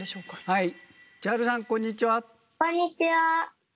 はい。